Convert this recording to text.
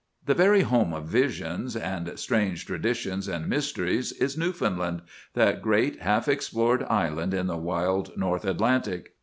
"The very home of visions, and strange traditions, and mysteries, is Newfoundland, that great half explored island in the wild North Atlantic.